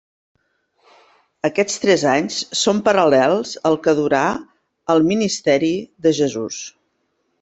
Aquests tres anys són paral·lels al que dura el Ministeri de Jesús.